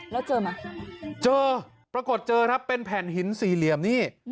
แล้วเจอไหมเจอปรากฏเจอครับเป็นแผ่นหินสี่เหลี่ยมนี่